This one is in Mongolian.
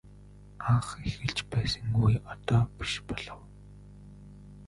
Анх эхэлж байсан үе одоо биш болов.